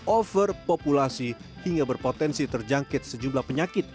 overpopulasi hingga berpotensi terjangkit sejumlah penyakit